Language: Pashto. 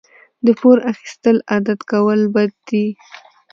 د پور اخیستل عادت کول بد دي.